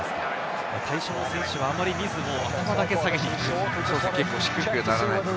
最初の選手はあまり見ず、頭だけ下げていく。